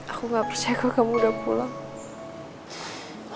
aku nggak percaya kok kamu udah pulang